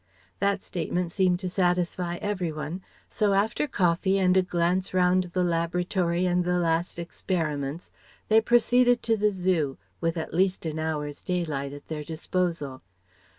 That statement seemed to satisfy every one, so after coffee and a glance round the laboratory and the last experiments, they proceeded to the Zoo, with at least an hour's daylight at their disposal.